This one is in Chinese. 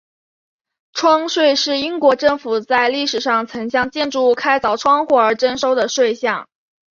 窗税是英国政府在历史上曾向建筑物开凿窗户而征收的税项。